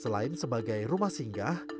selain sebagai rumah singgah